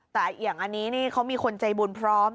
แต่อย่างอันนี้นี่เขามีคนใจบุญพร้อม